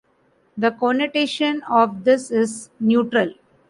The connotation of this is neutral.